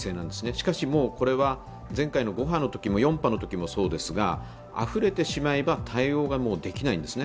しかし、もうこれは前回の５波も４波もそうですがあふれてしまえば、対応がもうできないんですね。